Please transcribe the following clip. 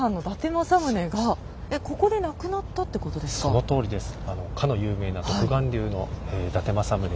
そのとおりです。